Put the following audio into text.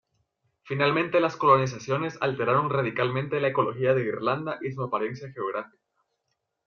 Finalmente, las colonizaciones alteraron radicalmente la ecología de Irlanda y su apariencia geográfica.